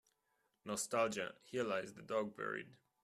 Nostalgia Here lies the dog buried.